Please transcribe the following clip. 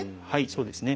そうですね。